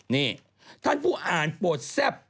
นี่ท่านผู้อ่านปวดแซ่บ